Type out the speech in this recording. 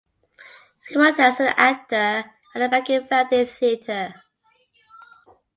He worked as an actor at the Baku Variety Theater.